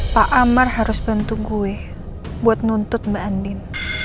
pak amar harus bantu gue buat nuntut mbak andin